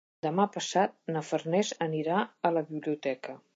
Demà passat na Farners anirà a la biblioteca.